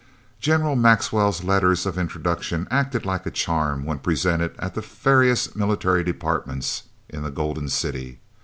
General Maxwell's letters of introduction acted like a charm when presented at the various military departments in the Golden City.